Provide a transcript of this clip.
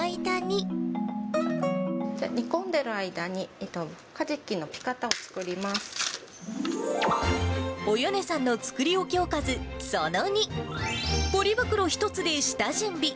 煮込んでいる間に、カジキのおよねさんの作り置きおかずその２、ポリ袋１つで下準備。